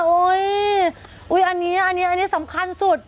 โอ้ยอุ้ยอันนี้อันนี้อันนี้สำคัญสุด